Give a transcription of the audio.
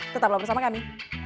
tetap bersama kami